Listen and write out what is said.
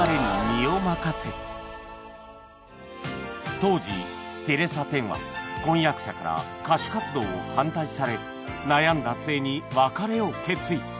当時テレサ・テンは婚約者から歌手活動を反対され悩んだ末に別れを決意